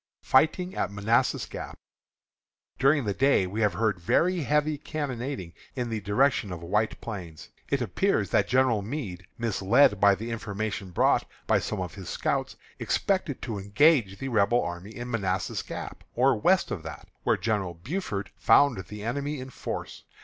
FIGHTING AT MANASSAS GAP. During the day we have heard very heavy cannonading in the direction of White Plains. It appears that General Meade, misled by the information brought by some of his scouts, expected to engage the Rebel army in Manassas Gap, or west of that, where General Buford found the enemy in force.